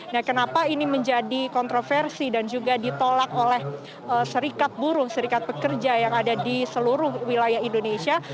nah kenapa ini menjadi kontroversi dan juga ditolak oleh serikat buruh serikat pekerja yang ada di seluruh wilayah indonesia